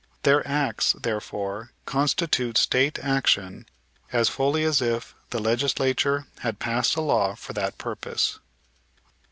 Their acts, therefore, constitute State action as fully as if the Legislature had passed a law for that purpose.